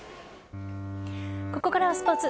ここからはスポーツ。